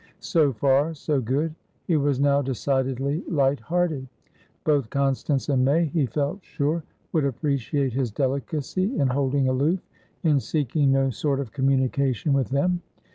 So far, so good. He was now decidedly light hearted. Both Constance and May, he felt sure, would appreciate his delicacy in holding aloof, in seeking no sort of communication with them.